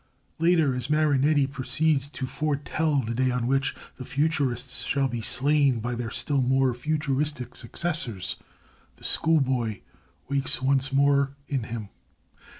Later, as Marinetti proceeds to foretell the day on which the Futurists shall be slain by their still more Futuristic successors, the schoolboy wakes once more in him.